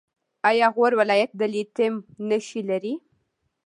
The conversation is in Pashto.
آیا غور ولایت د لیتیم نښې لري؟